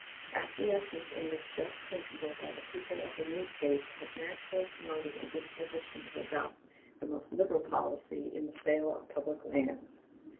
Acquiescence in this just principle by the people of the new States has naturally promoted a disposition to adopt the most liberal policy in the sale of the public lands.